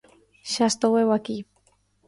Xa estou eu aquí.